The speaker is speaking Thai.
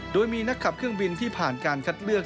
โดยมีนักขับเครื่องบินที่ผ่านการคัดเลือก